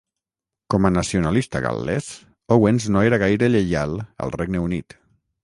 Com a nacionalista gal·lès, Owens no era gaire lleial al Regne Unit.